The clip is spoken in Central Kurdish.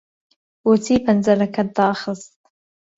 بۆچی پەنجەرەکەت داخست؟